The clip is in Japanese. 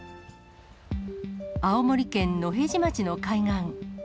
青森県野辺地町の海岸。